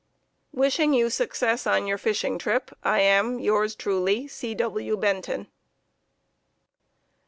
Wishing you success on your fishing trip, I am, Yours truly, C. W. Benton.